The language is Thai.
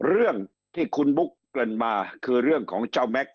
เรื่องที่คุณบุ๊กเกริ่นมาคือเรื่องของเจ้าแม็กซ